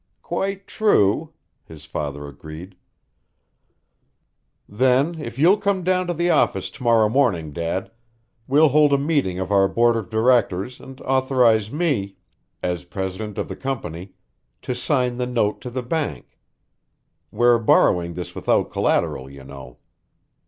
"Quite true." his father agreed. "Then, if you'll come down to the office to morrow morning, Dad, we'll hold a meeting of our board of directors and authorize me, as president of the company, to sign the note to the bank. We're borrowing this without collateral, you know."